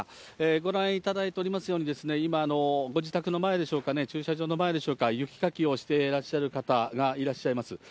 ご覧いただいておりますように、今、ご自宅の前でしょうかね、駐車場の前でしょうか、雪かきをしてらっしゃる方がいらっしゃいます。